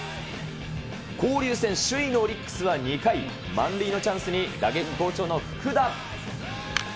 交流戦首位のオリックスは、２回、満塁のチャンスに、打撃好調の福田。